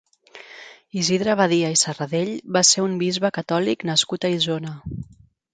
Isidre Badia i Serradell va ser un bisbe catòlic nascut a Isona.